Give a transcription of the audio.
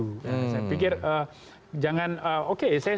saya pikir jangan oke